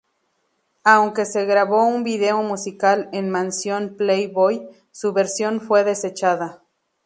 Aunque se grabó un vídeo musical en Mansión Playboy, su versión fue desechada.